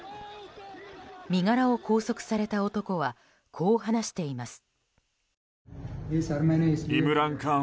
身柄を拘束された男はこう話しています。